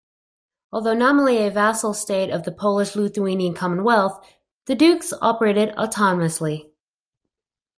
Although nominally a vassal state of the Polish-Lithuanian Commonwealth, the dukes operated autonomously.